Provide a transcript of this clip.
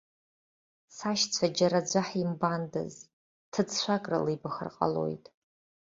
Сашьцәа џьара аӡәы ҳимбандаз, ҭыӡшәак рылибахыр ҟалоит.